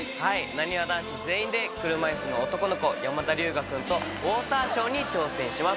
なにわ男子全員で車いすの男の子、山田龍我君とウォーターショーに挑戦します。